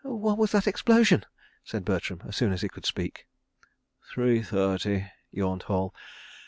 "What was that explosion?" said Bertram as soon as he could speak. "Three thirty," yawned Hall.